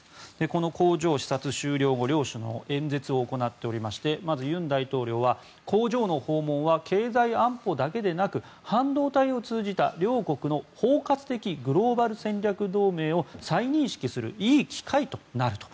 この工場視察終了後両首脳は演説を行っていましてまず尹大統領は工場の訪問は経済安保だけでなく半導体を通じた両国の包括的グローバル戦略同盟を再認識するいい機会となると。